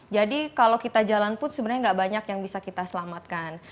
jadi kalau kita jalan pun sebenarnya nggak banyak yang bisa kita selamatkan